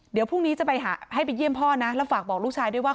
เดี๋ยวพรุ่งนี้จะไปหาให้ไปเยี่ยมพ่อนะแล้วฝากบอกลูกชายด้วยว่า